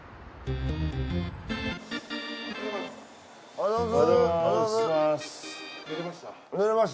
おはようございます。